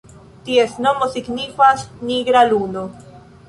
Ties nomo signifas "nigra luno".